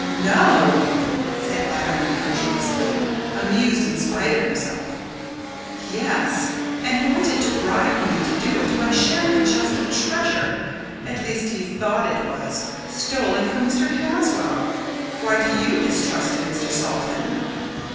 "No!" said Adam incredulously, amused in spite of himself. "Yes, and wanted to bribe me to do it by sharing a chest of treasure at least, he thought it was stolen from Mr. Caswall. Why do you distrust him, Mr. Salton?"